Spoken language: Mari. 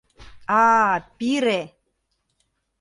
— А-а, пире!